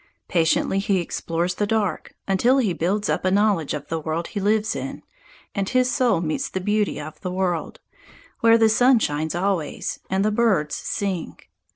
Patiently he explores the dark, until he builds up a knowledge of the world he lives in, and his soul meets the beauty of the world, where the sun shines always, and the birds sing.